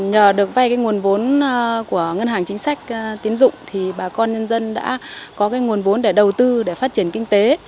nhờ được vay cái nguồn vốn của ngân hàng chính sách tiến dụng thì bà con nhân dân đã có cái nguồn vốn để đầu tư để phát triển kinh tế